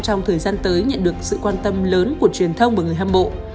trong thời gian tới nhận được sự quan tâm lớn của truyền thông và người hâm mộ